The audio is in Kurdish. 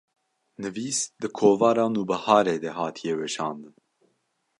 nivîs di kovara Nûbiharê de hatiye weşandin